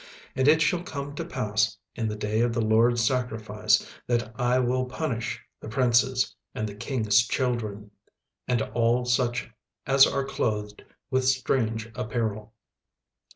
36:001:008 And it shall come to pass in the day of the LORD's sacrifice, that I will punish the princes, and the king's children, and all such as are clothed with strange apparel.